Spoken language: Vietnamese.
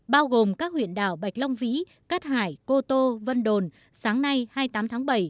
bao gồm các huyện đảo bạch long vĩ cát hải cô tô vân đồn sáng nay hai mươi tám tháng bảy